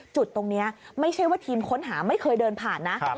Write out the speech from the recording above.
จุดตรงนี้ไม่ใช่ว่าทีมค้นหาไม่เคยเดินผ่านนะ